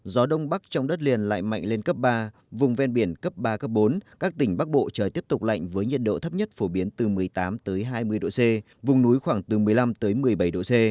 gió đông bắc trong đất liền lại mạnh lên cấp ba vùng ven biển cấp ba cấp bốn các tỉnh bắc bộ trời tiếp tục lạnh với nhiệt độ thấp nhất phổ biến từ một mươi tám hai mươi độ c vùng núi khoảng từ một mươi năm một mươi bảy độ c